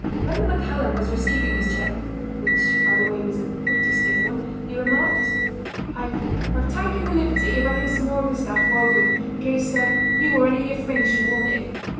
When the MacCallum was receiving his cheque—which, by the way, was a pretty stiff one—he remarked: "I've taken the liberty of having some more of the stuff woven in case you or any of your friends should want it."